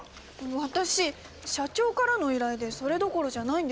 私社長からの依頼でそれどころじゃないんですけど。